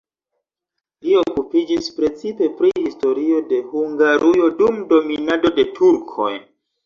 Li okupiĝis precipe pri historio de Hungarujo dum dominado de turkoj.